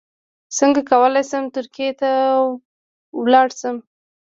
څنګه کولی شم ترکیې ته لاړ شم